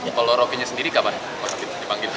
kalau rokinya sendiri kapan